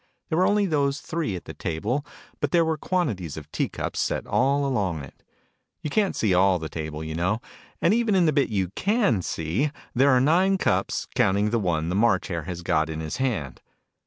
There were only those three at the table, but there were quantities of tea cups set all along it. You ca'n't see all the table, you know, and even in the bit you can see there are nine cups, counting the one the March Hare has got in his hand.